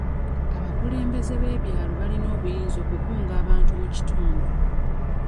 Abakulembeze b'ebyalo balina obuyinza okukunga abantu mu kitundu.